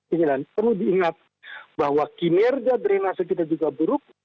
ini dan perlu diingat bahwa kinerja drenase kita juga buruk